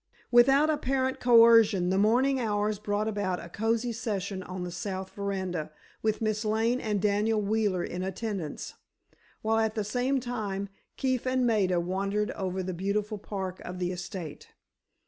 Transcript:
Without apparent coercion the morning hours brought about a cozy session on the south veranda with Miss Lane and Daniel Wheeler in attendance, while at the same time, Keefe and Maida wandered over the beautiful park of the estate.